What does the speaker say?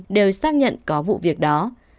đã nhận có vụ việc đó